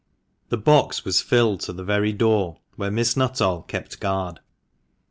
The box was filled to the very door, where Miss Nuttall kept guard.